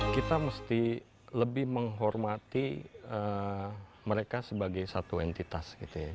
kita mesti lebih menghormati mereka sebagai satu entitas